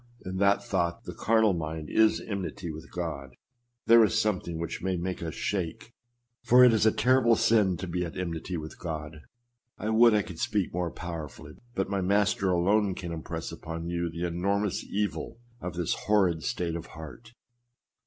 in that thought, " The carnal mind is enmity against God:" there is something which may make us shake ; for it is a terrible sin to be at enmity with God. I would I could speak more powerfully, but my Master alone can impress upon you the enormous evil of this horrid state of heart.